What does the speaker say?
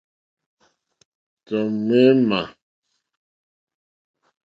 Tɔ̀ ŋměmà.